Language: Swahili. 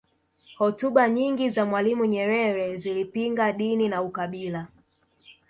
hotuba nyingi za mwalimu nyerere zilipinga dini na ukabila